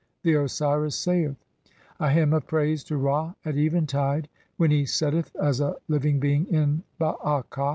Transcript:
[The Osiris saith :—] "A hymn of praise to Ra at eventide [when] he setteth as a "living being in Baakha.